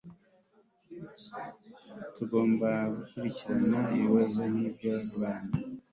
tugomba gukurikirana ikibazo cy'bo bana